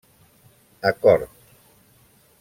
Acord: